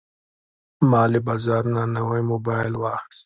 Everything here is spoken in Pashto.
ما له بازار نه نوی موبایل واخیست.